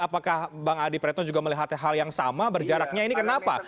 apakah bang adi pratno juga melihat hal yang sama berjaraknya ini kenapa